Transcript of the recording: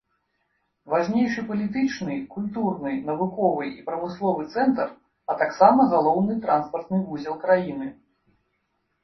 Важнейшы палітычны, культурны, навуковы і прамысловы цэнтр, а таксама галоўны транспартны вузел краіны.